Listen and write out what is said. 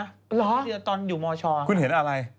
เหรอตอนอยู่มชคุณเห็นอะไร